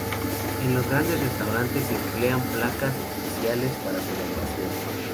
En los grandes restaurantes, se emplean placas especiales para su elaboración.